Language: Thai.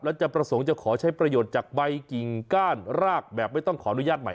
แล้วจะประสงค์จะขอใช้ประโยชน์จากใบกิ่งก้านรากแบบไม่ต้องขออนุญาตใหม่